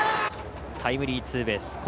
タイムリーツーベース。